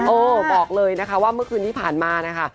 บอกเลยนะคะว่าเมื่อคืนที่ผ่านมานะคะ